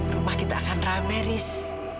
rumah kita akan ramai haris